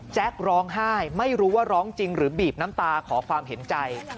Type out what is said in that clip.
ร้องไห้ไม่รู้ว่าร้องจริงหรือบีบน้ำตาขอความเห็นใจ